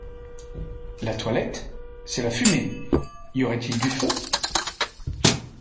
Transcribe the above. La toilette, c’est la fumée ! y aurait-il du feu ?